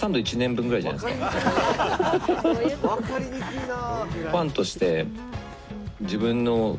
わかりにくいなぁ。